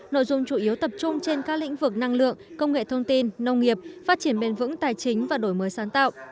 nội dung chủ yếu tập trung trên các lĩnh vực năng lượng công nghệ thông tin nông nghiệp phát triển bền vững tài chính và đổi mới sáng tạo